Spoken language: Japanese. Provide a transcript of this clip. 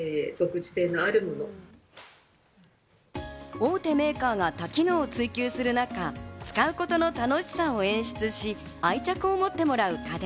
大手メーカーが多機能を追求する中、使うことの楽しさを演出し、愛着をもってもらう家電。